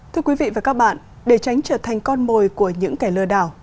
thưa quý vị và các bạn để tránh trở thành con mồi của những kẻ lừa đảo